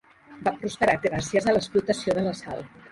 Va prosperar gràcies a l'explotació de la sal.